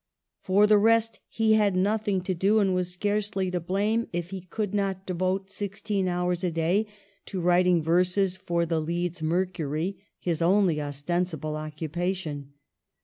For the rest, he had nothing to do, and was scarcely to blame if he could not devote sixteen hours a day to writing verses for the Leeds Mer cury, his only ostensible occupation.